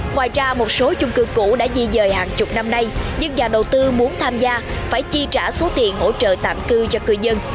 ngoài ra một số chung cư cũ đã di dời hàng chục năm nay nhưng nhà đầu tư muốn tham gia phải chi trả số tiền hỗ trợ tạm cư cho cư dân